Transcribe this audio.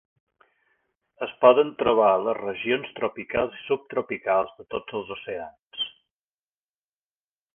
Es poden trobar a les regions tropicals i subtropicals de tots els oceans.